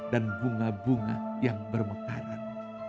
bunga bunga yang bermekaran